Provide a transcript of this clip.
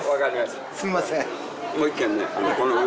すんません。